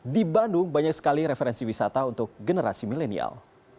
di bandung banyak sekali referensi wisata untuk generasi milenial